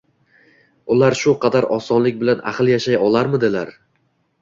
ular shu qadar osonlik bilan ahil yashay olarmidilar?